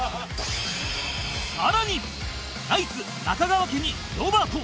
更にナイツ中川家にロバート